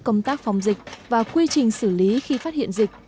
công tác phòng dịch và quy trình xử lý khi phát hiện dịch